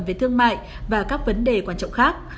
về thương mại và các vấn đề quan trọng khác